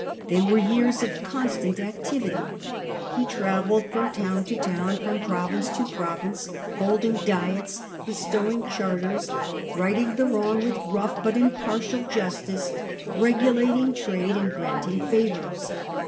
They were years of constant activity ; he travelled from town to town, from province to province, holding Diets, bestowing charters, righting the wrong with rough but impartial justice, regulating trade and granting favours.